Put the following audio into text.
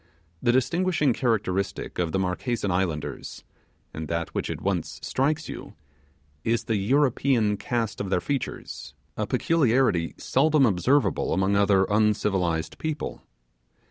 The distinguishing characteristic of the Marquesan islanders, and that which at once strikes you, is the European cast of their features a peculiarity seldom observable among other uncivilized people.